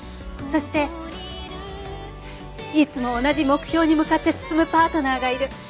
そしていつも同じ目標に向かって進むパートナーがいる。